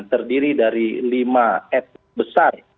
terdiri dari lima etnik besar